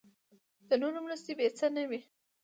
د نورو مرستې بې څه نه وي.